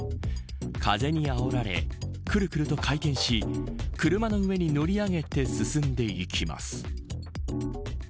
風にあおられ、くるくると回転し車の上に乗り上げて進んでいきます。